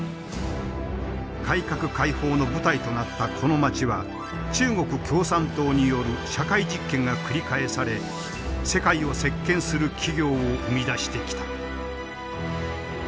改革開放の舞台となったこの街は中国共産党による社会実験が繰り返され世界を席けんする企業を生み出してきた。